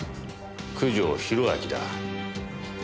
九条宏明だ。